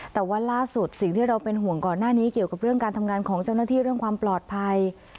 แต่ว่าล่าสุดสิ่งที่เราเป็นห่วงก่อนหน้านี้เกี่ยวกับเรื่องการทำงานของเจ้าหน้าที่เรื่องความปลอดภัย